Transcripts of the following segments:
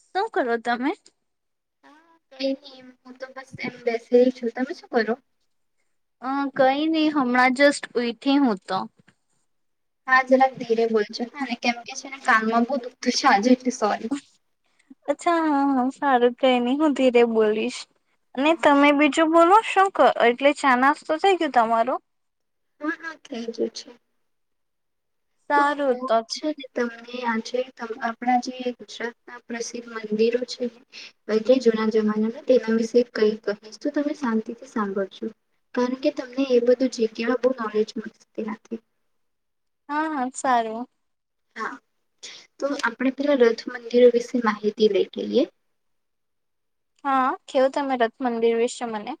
શું કરો તમે હા હું તો બસ એમ બેસી છું તમે શું કરો હ કઈ નહી હમણાં જસ્ટ ઉઈઠી હું તો હા જરા ધીરે બો હા કેમ કે છે કાનમાં બુ દુઃખધ છે આજે એટલે સોરી અચ્છા હ હ સારું કઈ નહી હું ધીરે બોલીશ અને હા તમે બીજું બોલો શું એટલે ચાનાસ તો થઈ ગયું તમારું હા હા થઈ જું છે તો બ સારું તો છેા લ ત આજે આપણા જે ગુજરાતના પ્રસિદ્ધ મંદિરો છે જૂના જમાનામાં તેના વિશે કઈ કહીશ તો તમે શાંતિથી સાંભળ છો કારણ કે તમને એ બધું જગ્યા બહ નોલેજ મળશે તેનાથી હા હા સારું હા તો આપણે પેલા રથ મંદિરો વિશે માહિતી લઈ કેઈએ હા કેવું તમે રથ મંદિર વિશે મને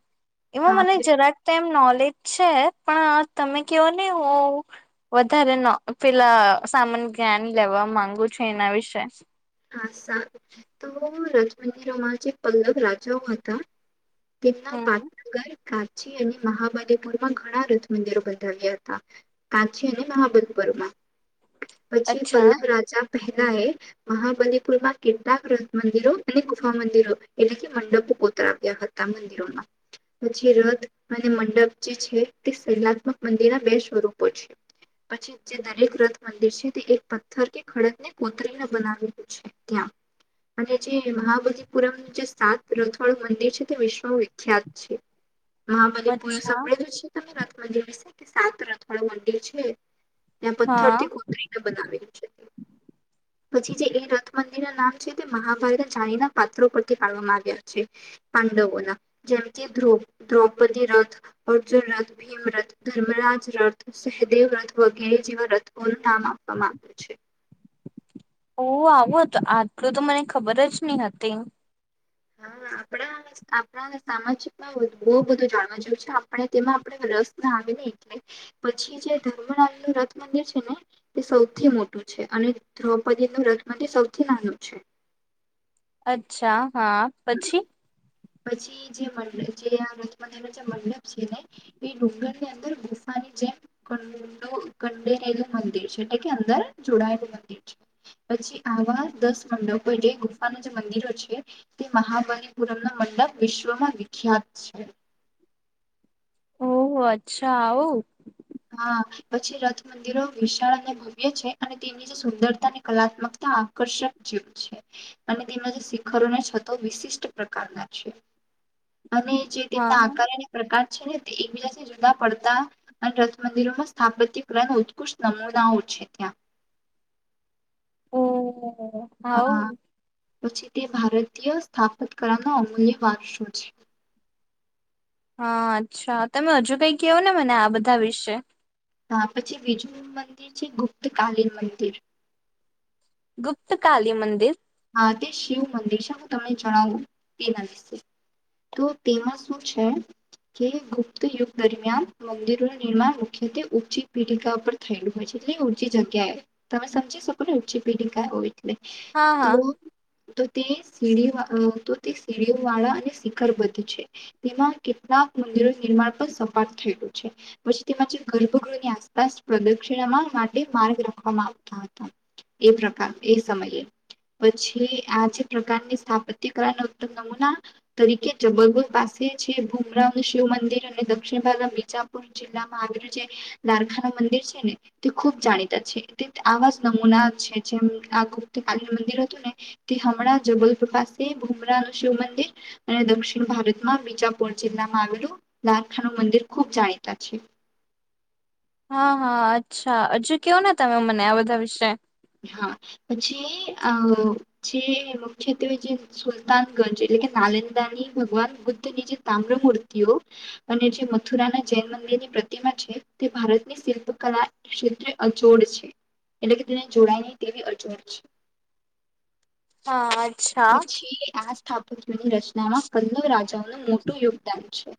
એમાં હા મને તો- જરાક તેમમ નોલેજ છે પણ તમે કેવો ને હ વધારે ન પેલા સામાન જ્ઞાન લેવા માંગુ છું એના વિશે હા તો રાજમંદિરોમાં જ પલગ રાજાઓ હતા કલા હમ પાતનગર કાચી અને મહાબદપુર માં ઘણા રથ મંદિરો બંધાવ્યા હતા કાચી અને મહાબદપુરમાં પછી અચ્છા પલ્લવ રાજા પહેલા એ મહાબલીપુરમાં કેટલાક રથ મંદિરો અને ગુફા મંદિરો એટલે કે મંડપો કોતરાવ્યા હતા મંદિરોમાં પછી રથ અને મંડપ જે છે તે સહેલાત્મક મંદિરના બે સ્વરૂપો છે પછી જે દરેક રથ મંદિર છે તે એક પથ્થર કે ખડકને કોતરીને બનાવ ત્યાં અને જે મહાબલીપુરમ જે સાત રથડ મંદિર છે તે વિશ્વ વિખ્યાત છે મહાબલીપુર અચ્છા સાંભળે જ છે તમે મંદિર છે કે સાત રથ વાડું મંદિર છે ત્યાં હા. પથ્થરથી કોતરીને બનાવેલી છે. પછી. જે એ રથ મંદિર ના નામ છે તે મહાભારત જાણીના પાત્રો પરથી પાડવામાં આવ્યા છે પાંડવોના જેમ કે્ર દ્રૌપદી રથ અર્જુન રથ ભીમ રથ ધર્મરાજ રથ સહેદેવ રથ વગેરે જેવા રથો. નામ આપવામાં આવ્યું છે. ઓ આવો હતું આટલું તો મને ખબર જ નહી હતી. હા આપણા આપણા સામાજિકમાં બહુ બધું જાણવા જેવું છે આપણે તેમાં આપણે રસ ના આવે ને એટલે પછી જે ધર્મનાલ નું રથ મંદિર છે ને તે સૌથી મોટું છે અને દ્રૌપદી નું રથ મંદિર સૌથી નાનું છે. અચ્છા હા પછી. પછી જે મંડ આ રથ મંદિર ન જે મંડપ છે ને એ ડુંગરની અંદર ગુફાની જેમ કડો કંડેરેલું મંદિર છે એટલે કે અંદર જોડાયેલું મંદિર છે પછી આવા દસ મંડપો એલે ગુફાનું જે મંદિરો છે. તે મહાબલિપુરમનો મંડપ વિશ્વમાં વિખ્યાત છે. ઓહહ અચ્છા આવું. હા પછી રથ મંદિરો વિશાળ અને ભવ્ય છે અને તેની જે સુંદરતાની કલાત્મકતા આકર્ષક જેવ છે અને તેમના જે શિખરોને છતો વિશિષ્ટ પ્રકારના છે. અને જે તેમના હા આકાર અને પ્રકાર. છે ને તે એકબીજાથી જુદા પડતા. અને રથ મંદિરોમાં સ્થાપત્ય ક્રહન ઉત્કૃષ્ટ નમૂનાઓ છે ત્યાં. ઓ હા હવું.. પછી તે ભારતીય સ્થાપત કારના અમૂલ્ય વારસો છે. હા અચ્છા તમે હજુ કઈ કેવો ને મને આ બધા વિશે. હા પછી બીજુંનું મંદિર છે ગુપ્ત કલીન મંદિર. ગુપ્તકાલી મંદિર. તે શિવ મંદિર છે હું તમને જણાવું તેના વિશે તો તેમાં શું છે કે ગુપ્ત યુગ દરમિયાન મંદિરોનું નિર્માણ મુખ્યત્વે ઊંચી પેઢીકા પર થયેલું હોય છે એટલે ઊંચી જગ્યાએ તમે સમજી શકો ને ઊંચી પેઢિકા હોય એટલે. હા હા તો તે સીડી તો તે સીડીઓ વાળા અને શિખરબદ્ધ છે તેમાં કેટલાક મંદિરો નિર્માણ પણ સપાટ થયેલું છે પછી તેમાં જે ગર્ભગૃહની આસપાસ પ્રદક્ષિણામાં માટે માર્ગ રાખવામાં આવતા હતા એ પ્રકાર એ સમયે. પછી આ જે પ્રકારની સ્થાપત્ય કાળના ઉત્તમ નમૂના તરીકે જબલપુર પાસે જે ભુમરાવ શિવ મંદિર અને દક્ષિણ ભાગના બીજાપુર જિલ્લામાં આવેલું જે દ્વારખાનું મંદિર છે ને તે ખૂબ જાણીતા છે તે આવા જ નમૂના છે જેમ આ ગુપ્તકાલી મંદિર. તે હમણાં જબલપુર પાસે ભુમરાવનું શિવ મંદિર અને દક્ષિણ ભારતમાં બીજાપુર જિલ્લામાં આવેલું દ્વારખાનું મંદિર ખુબ જાણીતા છે. હા હા અચ્છા હજુ કેયો ને તમે મને આ બધા વિશે. હા પછી આ જે મુખ્યત્વે જે સુલતાનગંજ એટલે કે નાલંદાની ભગવાન બુદ્ધની જે તામ્ર મૂર્તિઓ અને જે મથુરાના જૈન મંદિરની પ્રતિમા છે તે ભારતની શિલ્પકલા ક્ષેત્રે અચોડ છે એટલે કે તેને. જોડાય નહી તેવી અચોડ છે. હા અચ્છા. ની રચનામાં [unintelligible] મોટું યોગદાન છે.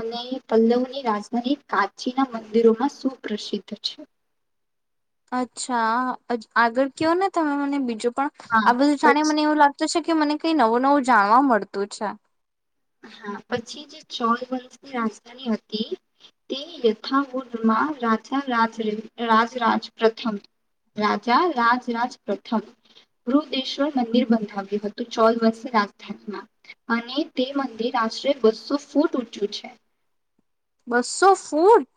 અને પલ્લવની રાજધાની કાચીના મંદિરોમાં સુપ્રસિદ્ધ છે. અચ્છા આગળ કયો ને તમે મને બીજું. પણ હા આ બધું જાણે મને પછી એવું લાગતું છે કે મને કઈ નવો નવો. જાણવા મળતું છે. હા પછી જે ચોલ વંશની રાજધાની હતી તે યથાવુદમાં રાજા રાજ રાજ પ્રથમ રાજા રાજ રાજ પ્રથમ વૃદેશ્વર મંદિર બંધાવ્યું હતું ચોલ વંશ રાજધાનીમાં અને. તે મંદિર આશરે બસ્સો ફૂટ ઊંચું છે. બસો ફૂટ.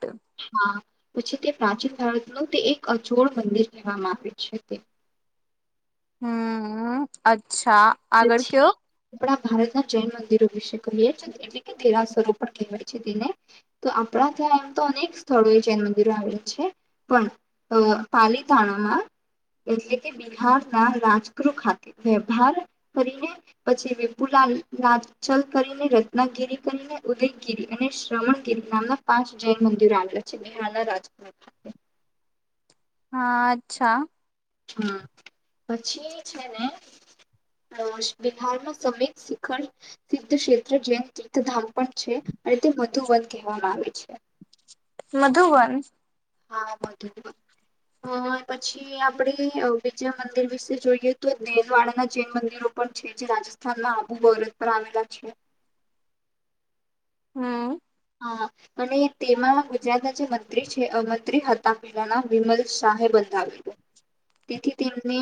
હા પછી તે પ્રાચીન ભારતનું તે એક અચોડ મંદિર કહેવામાં આવે છે તે. હમ અ અચ્છા આગળ પછી કયો. આપણા ભારતના જૈન મંદિરો વિશે કહીએ એટલે કે ધેરાસરો પણ કહેવાય છે તેને તો આપણા ત્યાં એમ તો અનેક સ્થળો એ જૈન મંદિરો આવે છે પણ પાલીતાણામાં એટલે કે બિહારના રાજગૃહ ખાતે વ્યહાર કરીને પછી વિપુલાલ લચલ કરીને રત્નાગીરી કરીને ઉદયગીરી અને શ્રવણગીરી નામના પાંચ જૈન મંદિરો આવેલા છે બિહારના રાજકારટ ખ હા અચ્છા. હ પછી છે ને બિહારમાં સમત શિખર સિધ ક્ષેત્ર જે તીર્થધામ પડ છે અને તે વધુ વધ કહેવામાં આવે છે. મધુબન હા વધ પછી આપણે વિજય મંદિર વિશે જોઈએ તો દેલવાડાના જૈન મંદિરો પણ છે જે રાજસ્થાનમાં આબુ બરત પર આવેલા છે. હમ [unintelligible] હ અને તેમાં ગુજરાતના જે મંત્રી છે મંત્રી હતા પહેલાના વિમલ શાહે બંધાવેલ તેથી તેમને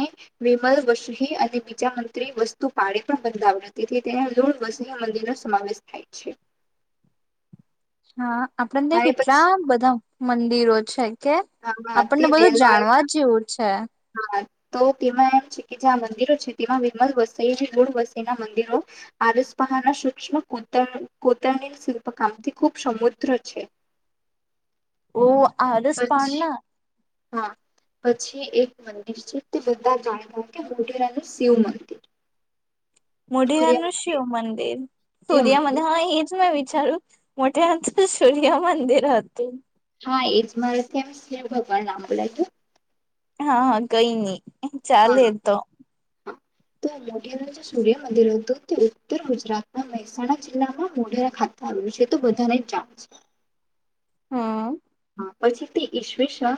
વિમલ વસહી અને બીજા મંત્રી વસ્તુપળે પણ બંધાવ્યો તેથી તેને લૂણ વસહી મંદિરનો સમાવેશ થાય છે. હા [unintelligible] આપડે ત્યાં અને પછી કેટલા બધા મંદિરો છે કે હા તે આપણને બધું રેલવાડ જાણવા જેવું છે. તો તેમાં એમ છે કે જે આ મંદિરો છે તેમાં વિર્મલ વસ ગુળ વસ ના મંદિરો આરસ પહાના સૂક્ષ્મ કોતર કોતરણી શિલ્પકામથી ખૂબ સમુદ્ર છે. ઓ હસ પછી પાડના હા પછી એક મંદિર છે તે બધા જાણી કે મોઢેરાનું શિવ મંદિર સૂર્ય મોઢરાનનું શિવ મંદિર મંદિર સૂર્ય સૂર્યા મંદિર મ હા એ મે વિચારું મોટે અ સરિયા મંદિ હત હા એજ મારે એમ શિવ ભગવાન નામ ભોલા છે. હા હા કઈની. ચાલે એ તો. ચ [unintelligible] સ્ટુડિયો મ રહેતો. તે ઉત્તર ગુજરાતના મહેસાણા જિલ્લામાં મોઢેરા ખાતે આવે્યું છે તો બધાને જ જાણ છે. હા [unintelligible] પછી તે ઈસવીસન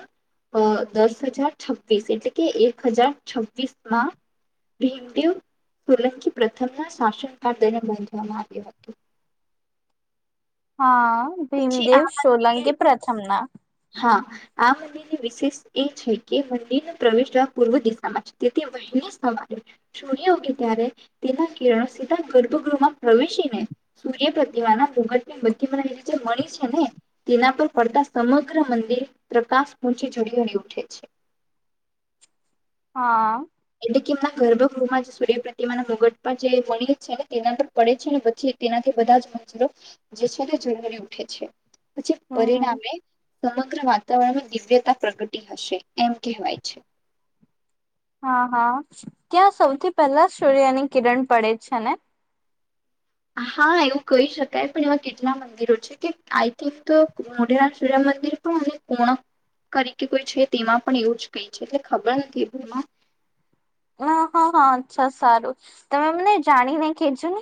દસ હજાર છવ્વીસ એટલે કે એક હજાર છવ્વીસ માં ભીમદેવ સોલંકી પ્રથમના શાસનકાળ દમિયાન બાંધવામાં આવ્યો હતું. હા [unintelligible] પછી ભીમદેવ આ મંદિર સોલંકી પ્રથમ ના હા આ મંદિરની વિશેષ એ છે કે મંદિરને પ્રવેશ જવા પૂર્વ દિશામાં છે તેથી વહેલી સવારે સૂર્ય ઉગે ત્યારે તેના કિરણો સીધા ગર્ભગૃહમાં પ્રવેશીને સૂર્ય પ્રતિમાના મુગટને મધ્યમનાવીલી જે મળી છે ને તેના પર પડતા સમ સમગ્ર મંદિર પ્રકાશ પંચી ઝડી હળ ઉઠે છે. હા. [unintelligible] એટલે કેમના ગર્ભગૃહમાં જે સૂર્ય પ્રતિમાના મુગટ પણ જે વણી છે ને તેના પર પડે છે ને પછી તેનાથી બધા જ મંતરો જે છે તે જરૂરી ઉઠે છે. પછી હમ પરિણામે સમગ્ર વાતાવરણમાં દિવ્યતા પ્રગટી હશે એમ કહેવાય છે. હા હા ત્યાં સૌથી પહેલા સૂર્યની કિરણ પડે છે ને. હા એવું કહી શકાય પણ એવા કેટલા મંદિરો છે કે આઈ થિંક મોઢેરા શરામ મંદિર પણ અને કોણક તરીકે કોઈ છે તેમાં પણ એવું જ કઈ છે એટ ખબર નથી એ એમાં હ હા હા અચ્છા સારું તમે મને જાણીને કેજો ને.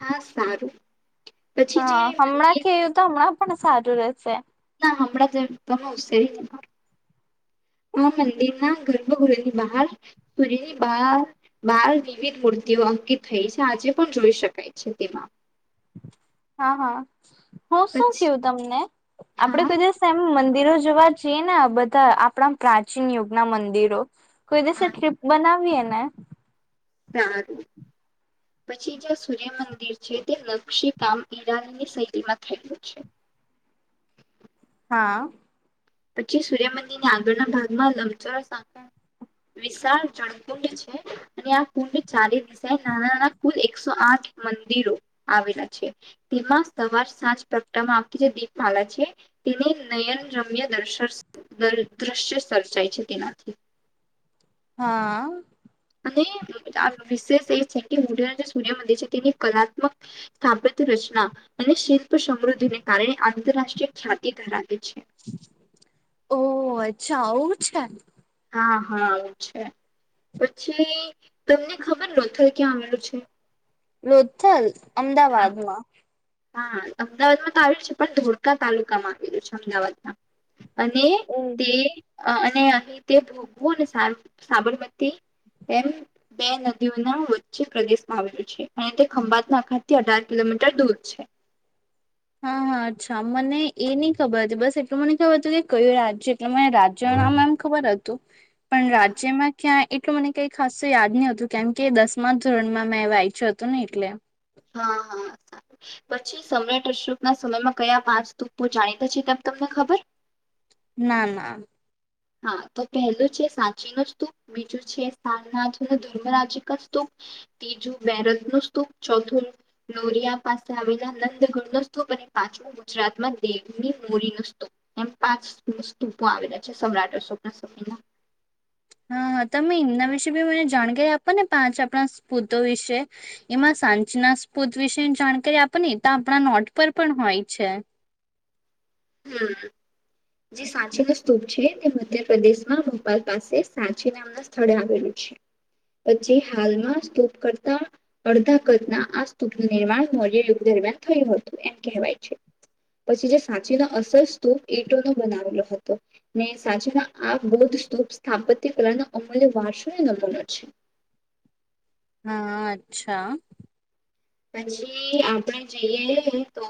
હા સારું પછી જે હા હમણાં મંદિર [unintelligible] તો હમણાં ને [unintelligible] રશે [unintelligible] હમણા તો તમે છે. હ મંદી ના ગર્ભગુહની બહાર સૂર્યની બાર બાર વિવિધ મૂર્તિઓ અંકિત થઈ છે, આજે પણ જોઈ શકાય છે, તેમાં હા હા હું શું પછી કવું તમને આપડે હા ક જઈશે એમ મંદિરો જોવા જઈએ ને બધા આપણા પ્રાચીન યુગ ના મંદિરો કોઈ દિવસે હા ટ્રિપ બનાવીએ ને. [inaudible] સારું પછી જ સૂર્ય મંદિર છે. તે નકશી કામ ઈરાનની શૈલીમાં થયયું છે. હા પછી સૂર્યમંદિરની આગળના ભાગમાં [unintelligible] વિશાળ જળકુંડ છે, અને આ કુંડ ચારેય દિશાએ નાના નાના કુલ એકસો આઠ મંદિરો આવેલા છે, તેમાં સવાર સાંજ પગટામાંતી જે દીપમાલા છે, તેને નયન રમ્ય [unintelligible] સર્જાય છે તેનાથી હા અને વિશેષ એ છે, કે મઢ જે સૂર્યમંદિર છે, તેની કલાત્મક સ્થાપ્ય રચના અને શિલ્પ સમૃદ્ધિને કારણે આંતરરાષ્ટ્રીય ખ્યાતિ ધરાવે છે. ઓ અચ્છા [unintelligible] છે. હા [unintelligible] છે, પછી તમને ખબર ન થર ક્યાં આવેલું છે. [unintelligible] હા અમદાવાદમાં. હા અમદાવાદમાં તો આવ્યું છે, પણ ધોળકા તાલુકામાં આવેલું છે, અમદાવાદમાં. અને ઓ તે અને અહી તે [unintelligible] અને સાબરમતી એમ બે નદીઓના વચ્ચે પ્રદેશમાં આવેલું છે, અને તે ખંભાતના અખાતથી અઢાર કિલોમીટર દૂર. [inaudible] હા હા અચ્છા મને એ નહ ખબર હતી બસ એટલું મને ખબર હતું કે કયું રાજ્ય એટલે મને રાજ્ય નામ એમ ખબર હતું પણ હા રાજ્યમાં ક્યાં. એટલું મને કઈ ખાસ યાદ નહ હતું કેમ કે દસમા ધોરણમાં મેં એ યચ્યું હતું ને એટલે હા હાારું પછી સમ્રટ અશોક ના સમયમાં કયા પાંચ ધુપ્પો જાણીતા છે, તેમ તમને ખબર ના ના હા તો પહેલું છે, સાચી નું સ્તૂપ બીજું છે, સારનાથ ન ધર્મરાજીિક સ્તૂપ ત્રીજું બેરજ નું સ્તૂપ ચોથું નોરિયા પાસે આવેલા નંદગણ ન સ્તૂપ અને પાંચમું ગુજરાતમાં દેવની મોરી ન સ્તૂપ એમ પાંચ સ્તૂપો આવેલા છે, સમ્રાટ. [unintelligible] હા હા તમે એમના વિશે બી મને જાણકારી આપો ને પાંચ આપણા સ્પૂતો વિશે એમાં સાંચના સ્પૂત વિશે જાણકારી આપોનીને તો આપણા નોટ પર પણ હોય છે. જે સાચી ન સ્તૂપ છે, તે મધ્યપ્રદેશમાં ભોપાલ પાસે સાચી નામના સ્થળે આવેલું છે, પછી હાલમાં સ્તૂપ કરતા અર્ધા કત ના આ [unintelligible] નિર્માણ મૌર્ય યુગ દરમિયાન થયું હતું એમ કહેવાય છે, પછી જે [unintelligible] અસર સ્તૂપ [unintelligible] બનાવેલો હતો ને સાચમાં આ [unintelligible] સ્તૂપ સ્થાપત્ય કલા ન અમૂલ્ય વારસોને [unintelligible] છે. હા અચ્છા. પછી આપણે જઈએ તો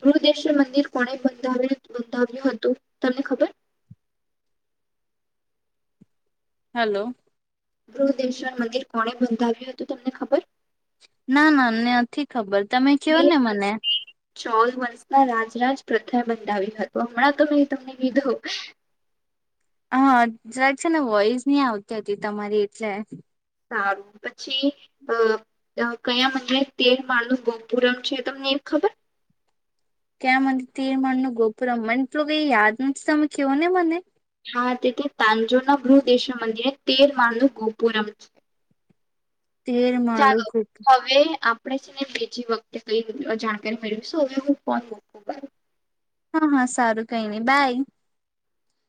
બૃદેશ્વર મંદિર કોણે બંધાવ્યું બંધાવ્યું હતું તમને ખબર. હલો બૃહદેશ્વર મંદિર કોને બંધાવ્યું હતું તમને ખબર. ના ના અમને નથી ખબર તમે કયો ને મને. ચૌદ વર્ષમાં રાજ-રાજ પ્રથા બતાાવી હતો હમણાં તો મેં તમને કીધું હા! જક છે ને વોઈસ ની આવતી હતી તમારી એટલે. સારું પછી અ કયા મંદને તેલમાલૂં ગોપુરણ છે તમને એ ખબર? ક્યાં મને તીરમનનું ગોપુરમ મને તો કઈ યાદ નથી તમે કયો ને મને. હા! તે તે તાંજોના બૃહદેશવ મંદિરે તેર માળનું ગોપુરમ છે. તેર માળનું ચાલો, ગોપુરમ હવે આ આપને છે ને બીજી વખતે કઈ જાણકારી મેળવીશું હવે હું ફોન મૂકું બ હા હા! સારું કઈ ની બાય.